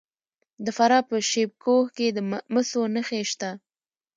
د فراه په شیب کوه کې د مسو نښې شته.